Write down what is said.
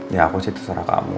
ya aku sih terserah kamu